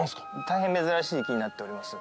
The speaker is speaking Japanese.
大変珍しい木になっております。